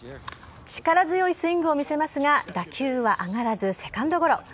力強いスイングを見せますが、打球は上がらずセカンドゴロ。